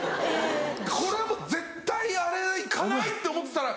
これはもう絶対あれ行かない！って思ってたら。